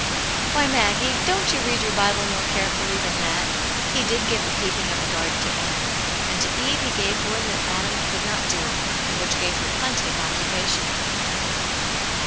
" Why, Maggie ! don't you read your Bible more carefully than that ? He did give the keeping of the garden to Adam, and to Eve he gave work that Adam could not do, and which gave her plenty of occupation."